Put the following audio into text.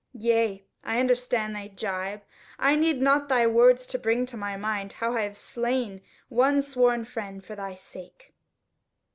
yea, I understand thy gibe. I need not thy words to bring to my mind how I have slain one sworn friend for thy sake."